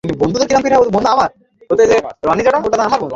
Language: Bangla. লোক দেখানোর জন্য আপনি এক সাধারণ নাগরিকের কথা কত ভাবেন!